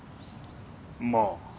まあ。